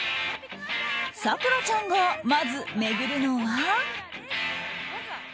咲楽ちゃんがまず巡るのは。